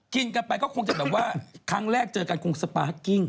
กินกันไปก็คงจะแบบว่าครั้งแรกเจอกันคงสปาร์คกิ้ง